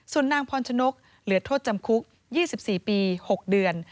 ส่วนนางพรชนกเหลือโทษจำคุก๒๔ปี๖เดือน